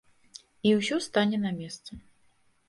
І ўсё стане на месца.